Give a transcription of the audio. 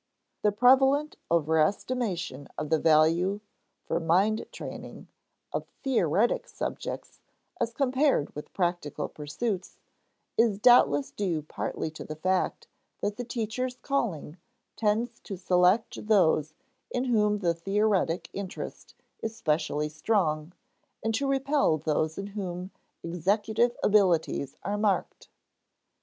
The prevalent overestimation of the value, for mind training, of theoretic subjects as compared with practical pursuits, is doubtless due partly to the fact that the teacher's calling tends to select those in whom the theoretic interest is specially strong and to repel those in whom executive abilities are marked.